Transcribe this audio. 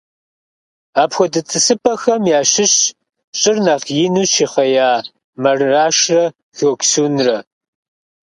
Апхуэдэ тӀысыпӀэхэм ящыщщ щӀыр нэхъ ину щыхъея Марашрэ Гёксунрэ.